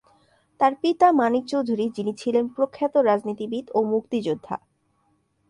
তার পিতা মানিক চৌধুরী, যিনি ছিলেন প্রখ্যাত রাজনীতিবিদ ও মুক্তিযোদ্ধা।